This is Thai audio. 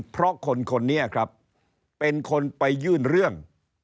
เพราะคนคนนี้ครับเป็นคนไปยื่นเรื่อง